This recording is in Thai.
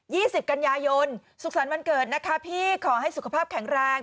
สิบกันยายนสุขสรรค์วันเกิดนะคะพี่ขอให้สุขภาพแข็งแรง